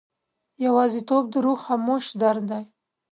یوازیتوب د روح خاموش درد دی.